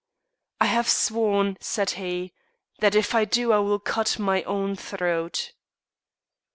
"I have sworn," said he, "that if I do I will cut my throat."